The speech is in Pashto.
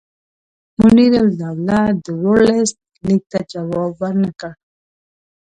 منیرالدوله د ورلسټ لیک ته جواب ورنه کړ.